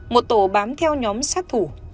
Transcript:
một tổ bám theo nhóm sát thủ